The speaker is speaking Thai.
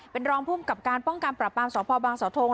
เป็นรองภูมิกับการป้องกันปรับปรามสพบางสาวทง